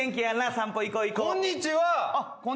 散歩行こう行こう。